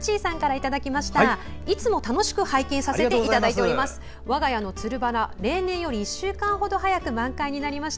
いつも楽しく拝見させていただいております。